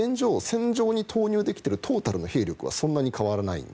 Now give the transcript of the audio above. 戦場に投入できているトータルの兵力はそんなに変わらない。